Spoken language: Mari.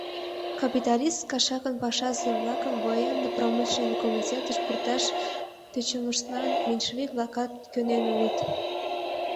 Капиталист кашакын пашазе-влакым Военно-промышленный комитетыш пурташ тӧчымыштлан меньшевик-влакат кӧнен улыт.